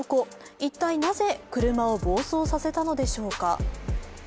一体なぜ車を暴走させたのでしょうか。